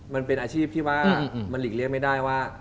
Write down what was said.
มันเป็นอาชีพที่ว่ามันหลีกเลี่ยงไม่ได้ว่า